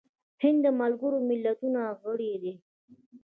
هند د ملګرو ملتونو غړی دی.